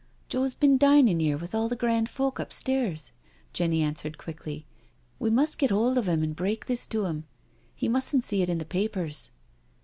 " Joe's been dining here with all the grand folk up stairs," Jenny answered quickly. " We must get hold of him and break this to him— he mustn't see it in the papers."